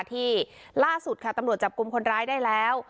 ที่ล่าสุดค่ะตำรวจจับกลุ่มคนร้ายได้แล้ว